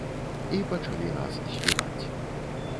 І пачалі нас збіваць.